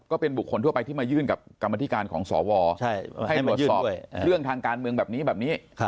ก็เป็นบุคคลทั่วไปที่มายื่นกับกรรมธิการของสวให้ตรวจสอบเรื่องทางการเมืองแบบนี้แบบนี้